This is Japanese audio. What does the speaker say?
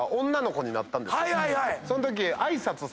そんとき。